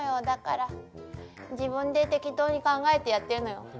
だから自分で適当に考えてやってるのよ。